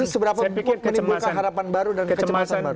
seberapa mungkin menimbulkan harapan baru dan kecemasan baru